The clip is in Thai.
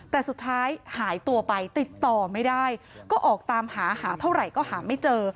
แต่สุดท้ายหายตัวไปติดต่อไม่ได้ก็ออกตามหาหาเท่าไหร่ก็หาไม่เจอ